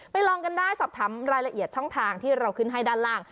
ลองกันได้สอบถามรายละเอียดช่องทางที่เราขึ้นให้ด้านล่าง